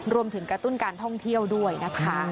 รวมถึงกระตุ้นการท่องเที่ยวด้วยนะคะ